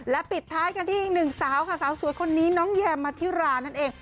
ปิดท้ายกันที่อีกหนึ่งสาวค่ะสาวสวยคนนี้น้องแยมมาธิรานั่นเอง